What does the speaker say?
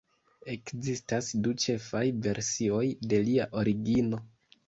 Ekzistas du ĉefaj versioj de lia origino.